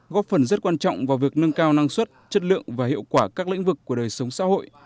góp phần rất quan trọng vào việc nâng cao năng suất chất lượng và hiệu quả các lĩnh vực của đời sống xã hội